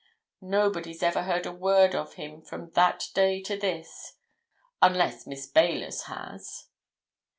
Nobody's ever heard a word of him from that day to this. Unless Miss Baylis has."